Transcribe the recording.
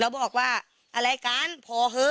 เราบอกว่าอะไรกันพอเฮ้